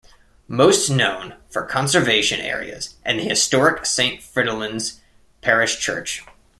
Most known for conservation areas and the historic Saint Fridolin's Parish Church.